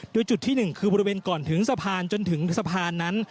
โดยจุดที่๑คือบริเวณก่อนถึงสะพานจนถึงสะพานนั้น